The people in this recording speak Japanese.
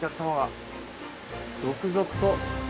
続々と。